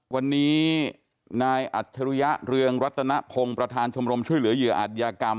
วันนี้นายอัจฉริยะเรืองรัตนพงศ์ประธานชมรมช่วยเหลือเหยื่ออัตยากรรม